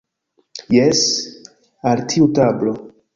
Jes, al tiu tablo.